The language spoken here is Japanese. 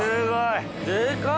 でかい。